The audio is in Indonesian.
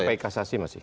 sampai kasasi masih